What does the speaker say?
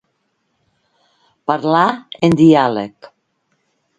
Parlar en diàleg.